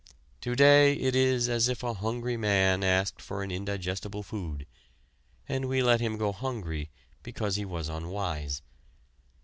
To day it is as if a hungry man asked for an indigestible food, and we let him go hungry because he was unwise.